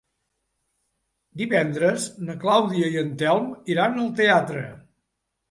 Divendres na Clàudia i en Telm iran al teatre.